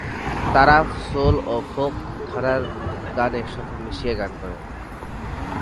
তারা সোল ও ফোক ধারার গান একসাথে মিশিয়ে গান করে।